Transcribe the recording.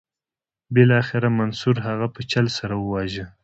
بالاخره منصور هغه په چل سره وواژه.